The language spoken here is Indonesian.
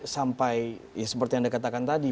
sampai ya seperti anda katakan tadi